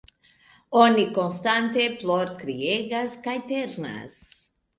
Oni konstante plorkriegas kaj ternas.